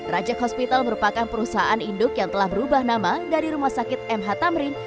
rajak hospital merupakan perusahaan induk yang telah berubah nama dari rumah sakit mh tamrin